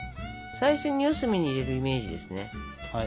最初に四隅に入れるイメージですね。